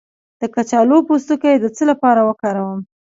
د کچالو پوستکی د څه لپاره وکاروم؟